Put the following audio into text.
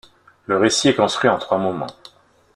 Le récit est construit en trois moments.